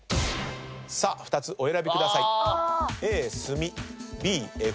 さあお選びください。